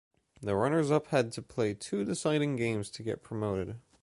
The runners-up had to play two deciding games to get promoted.